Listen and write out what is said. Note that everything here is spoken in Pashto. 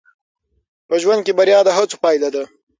په ژوند کې بریا د هڅو پایله ده.